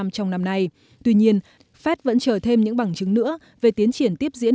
trong năm nay tuy nhiên fed vẫn chờ thêm những bằng chứng nữa về tiến triển tiếp diễn